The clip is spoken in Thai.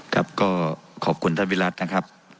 ครับก็ขอบคุณท่านวิรัตินะครับ